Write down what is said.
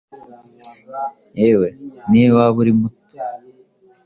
yewe niyo waba ari muto